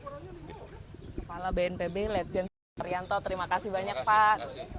kepala bnpb legends aprianto terima kasih banyak pak